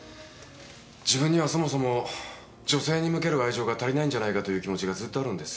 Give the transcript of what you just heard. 「自分にはそもそも女性に向ける愛情が足りないんじゃないか？」という気持ちがずっとあるんです。